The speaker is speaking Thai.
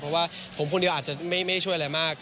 เพราะว่าผมคนเดียวอาจจะไม่ช่วยอะไรมาก